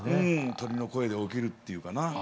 鳥の声で起きるっていうかな。